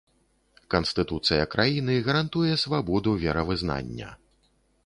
Канстытуцыя краіны гарантуе свабоду веравызнання.